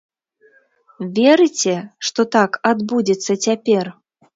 Верыце, што так адбудзецца цяпер?